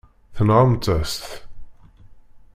Tenɣamt-as-t.